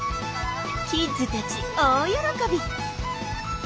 キッズたち大喜び！